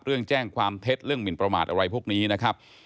เรื่องแจ้งความเท็จเรื่องหมินประมาทอะไรพวกนี้นะครับ